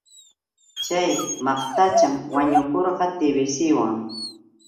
Chay maqtacham wañukurqa TBCwan.